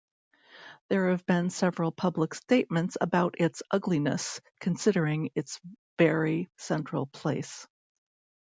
There have been several public statements about its ugliness, considering its very central place.